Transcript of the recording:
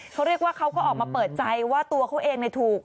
เขาเรียกว่าเขาก็ออกมาเปิดใจว่าตัวเขาเองถูก